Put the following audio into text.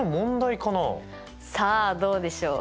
さあどうでしょう。